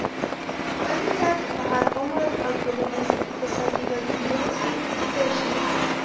پلی تګ په هر عمر او ټولنیز اقتصادي وضعیت کې کېدای شي.